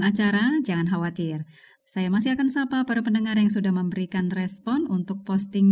udah heroin tetap kembali nonton